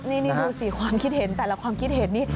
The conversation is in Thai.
นี่ดูสิความคิดเห็นแต่ละความคิดเห็นนี่